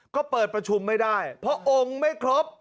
ก็เปิดประชุมไม่ได้เพราะองค์ไม่ครบ